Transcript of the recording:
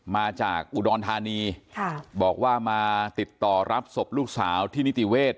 มาจากอุดรธานีบอกว่ามาติดต่อรับศพลูกสาวที่นิติเวศ